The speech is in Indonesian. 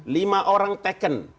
lima orang taken